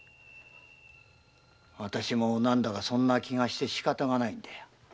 私も何だかそんな気がしてしかたがないんだよ。